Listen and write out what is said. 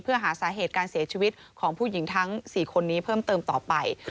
เพื่อหาสาเหตุการเสียชีวิตของผู้หญิงทั้ง๔คนนี้เพิ่มเติมต่อไป